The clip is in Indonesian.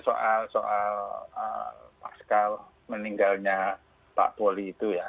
soal soal pascal meninggalnya pak poli itu ya